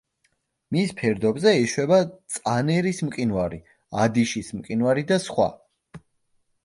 მის ფერდობზე ეშვება წანერის მყინვარი, ადიშის მყინვარი და სხვა.